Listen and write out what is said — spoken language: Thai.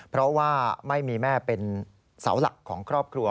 เพราะว่าไม่มีแม่เป็นเสาหลักของครอบครัว